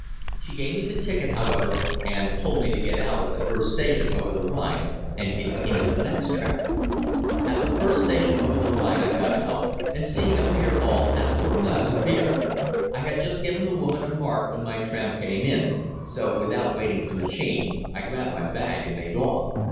She gave me the ticket, however, and told me to get out at the first station over the Rhine and get into the next tram. At the first station over the Rhine I got out, and seeing a Bierhalle asked for a glass of beer. I had just given the woman a mark when my tram came in, so without waiting for the change I grabbed my bag and made off.